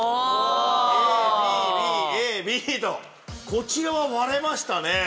こちらは割れましたね。